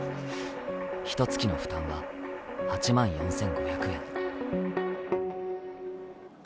ひとつきの負担は、８万４５００円。